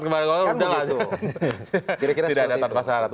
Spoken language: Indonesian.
tidak ada tanpa syarat